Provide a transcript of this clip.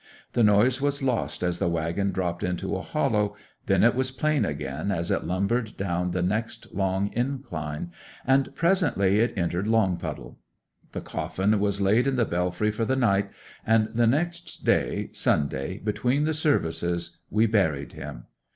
The noise was lost as the waggon dropped into a hollow, then it was plain again as it lumbered down the next long incline, and presently it entered Longpuddle. The coffin was laid in the belfry for the night, and the next day, Sunday, between the services, we buried him.